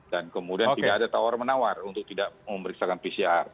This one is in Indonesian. dan kemudian tidak ada tawar menawar untuk tidak memeriksa pcr